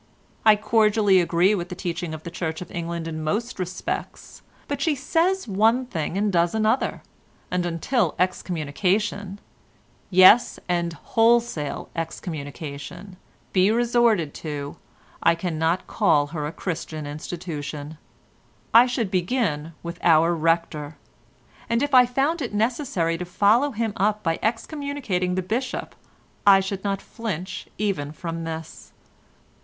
I cordially agree with the teaching of the Church of England in most respects, but she says one thing and does another, and until excommunication—yes, and wholesale excommunication—be resorted to, I cannot call her a Christian institution. I should begin with our Rector, and if I found it necessary to follow him up by excommunicating the Bishop, I should not flinch even from this.